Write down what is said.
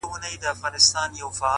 نیک اخلاق د انسان ښکلی میراث دی!